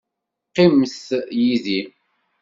Qqimet yid-i.